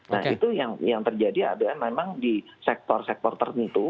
nah itu yang terjadi adalah memang di sektor sektor tertentu